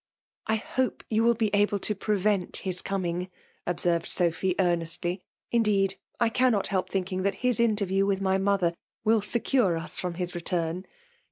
*^ ^I hope you will be able to prevent his eotaing/* observed Sophy, earnestly. Indeed I cannot help thinking that his interview with vy mother will secure us from his return.